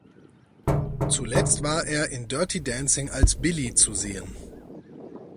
Zuletzt war er in Dirty Dancing als Billy zu sehen.